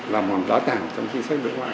là một đoán tảng trong chính sách đối ngoại